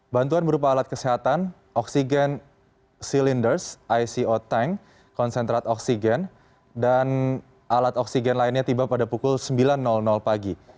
bantuan berupa alat kesehatan oksigen silinders ico tank konsentrat oksigen dan alat oksigen lainnya tiba pada pukul sembilan pagi